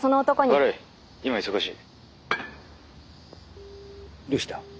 （打どうした？